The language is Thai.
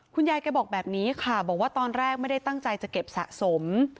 คุณยายแกบอกแบบนี้ค่ะบอกว่าตอนแรกไม่ได้ตั้งใจจะเก็บสะสม